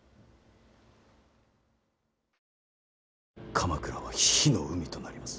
鎌倉は火の海となります。